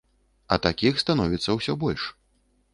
А такіх становіцца ўсё больш.